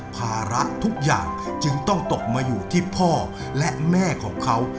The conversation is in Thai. ภาระทุกอย่างจึงต้องตกมาอยู่ที่พ่อและแม่ของเขา